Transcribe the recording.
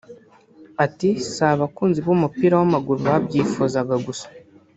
Ati “Si abakunzi b’umupira w’amaguru babyifuzaga gusa